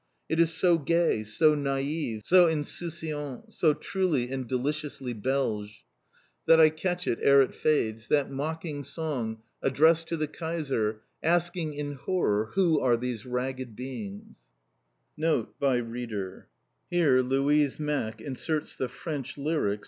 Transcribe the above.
It is so gay, so naive, so insouciant, so truly and deliciously Belge, that I catch it ere it fades, that mocking song addressed to the Kaiser, asking, in horror, who are these ragged beings: THE BELGIAN TO THE GERMAN.